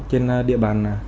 trên địa bàn